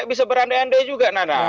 itu bisa beranda anda juga nana